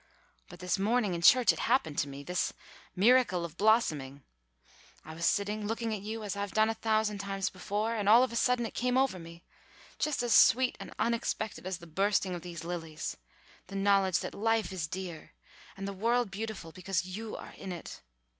But this morning in church it happened to me, this miracle of blossoming. I was sitting looking at you as I've done a thousand times before, and all of a sudden it came over me, just as sweet and unexpected as the bursting of these lilies, the knowledge that life is dear and the world beautiful because you are in it.